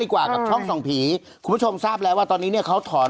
กว่ากับช่องส่องผีคุณผู้ชมทราบแล้วว่าตอนนี้เนี่ยเขาถอน